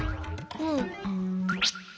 うん。